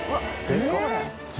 でかい！